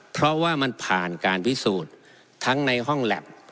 เพราะว่ามันผ่านการพิสูจน์ทั้งในห้องแล็บ